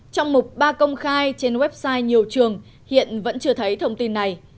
trong mục ba công khai trên website nhiều trường hiện vẫn chưa thấy thông tin này